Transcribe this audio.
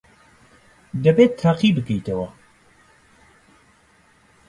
دەبێت تاقی بکەیتەوە.